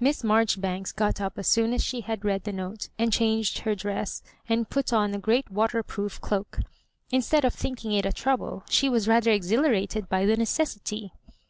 Miss Marjori banks got up as soon as she had read the note, and changed her dress, and put on a great water proof cloak. Instead of thinking it a trouble, she was rather exhilarated by the necessity.